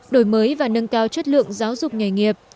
đổi mới và nâng cao chất lượng giáo dục nghề nghiệp